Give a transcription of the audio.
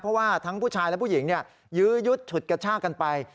เพราะว่าทั้งผู้ชายและผู้หญิงยื้อยุดฉุดกระชากันไป